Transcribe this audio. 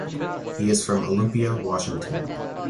He is from Olympia, Washington.